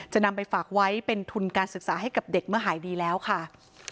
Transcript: จะนำไปฝากไว้เป็นทุนการศึกษาให้กับเด็กเมื่อหายดีแล้วค่ะ